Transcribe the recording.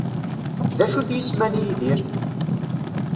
D acu-t yisem-a n Yidir?